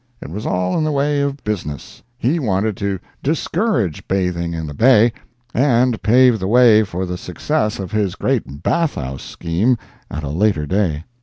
It was all in the way of business; he wanted to discourage bathing in the Bay and pave the way for the success of his great bath house scheme at a later day.